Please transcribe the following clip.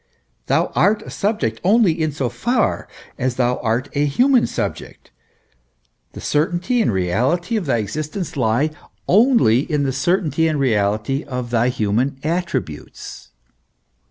Thou art a subject only in so far as thou art a human subject; the certainty and reality of thy existence lie only in the certainty and reality of thy human attributes.